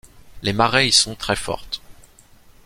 Les marées y sont très fortes.